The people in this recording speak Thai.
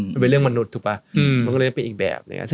มันเป็นเรื่องมนุษย์ถูกป่ะมันก็เลยเป็นอีกแบบหนึ่ง